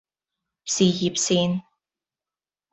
事業線